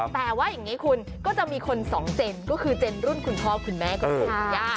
แปลว่าอย่างนี้คุณก็จะมีคน๒เจนก็คือเจนรุ่นคุณพ่อของคุณแม่คุณสุธยา